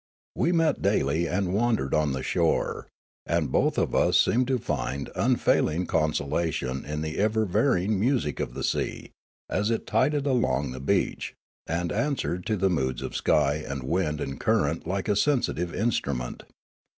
We met daily and wandered on the shore, and both of us seemed to find unfailing consolation in the ever varying music of the sea, as it tided along the beach, and answered to the moods of sky and wind and current like a sensitive instrument.